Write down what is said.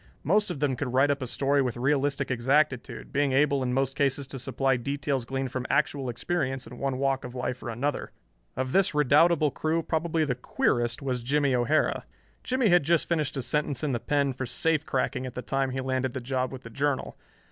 Most of them could write up a story with realistic exactitude, being able in most cases to supply details gleaned from actual experience in one walk of life or another. Of this redoubtable crew probably the queerest was Jimmie O'Hara. Jimmie had just finished a sentence in the "pen" for safe cracking at the time he landed the job with the Journal.